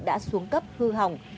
đã xuống cấp hư hỏng